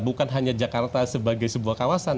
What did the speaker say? bukan hanya jakarta sebagai sebuah kawasan